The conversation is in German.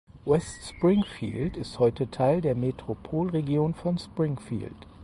West Springfield ist heute Teil der Metropolregion von Springfield.